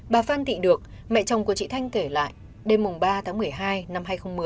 bà phan thị được mẹ chồng của chị thanh kể lại đêm ba tháng một mươi hai năm hai nghìn một mươi